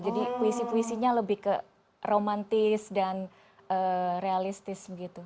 jadi puisi puisinya lebih ke romantis dan realistis gitu